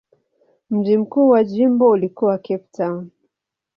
Mji mkuu wa jimbo ulikuwa Cape Town.